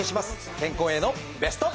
健康へのベスト。